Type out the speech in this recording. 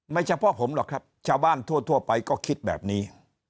เฉพาะผมหรอกครับชาวบ้านทั่วไปก็คิดแบบนี้